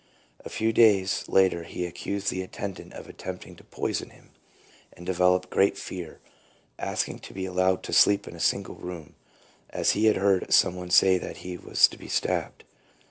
A few days later he accused the attendant of attempting to poison him, and developed great fear, asking to be allowed to sleep in a single room, as he had heard some one say that he was to be stabbed.